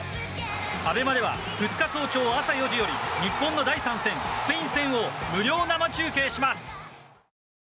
ＡＢＥＭＡでは２日早朝朝４時より日本の第３戦、スペイン戦を無料生中継します！